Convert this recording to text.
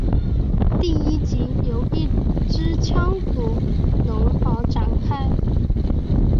第一集由一只腔骨龙而展开。